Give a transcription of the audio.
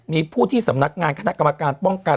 มีผู้ที่สำนักงานคณะกรรมการป้องกัน